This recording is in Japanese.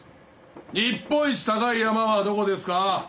日本一高い山はどこですか？